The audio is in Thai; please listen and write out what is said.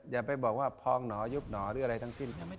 อย่าไปบอกว่าพองหนอยุบหนอหรืออะไรทั้งสิ้น